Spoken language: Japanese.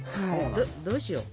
どうしよう？